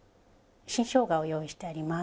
新しょうがを用意してあります。